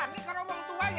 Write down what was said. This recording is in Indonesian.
wah ini kaya orang tua ya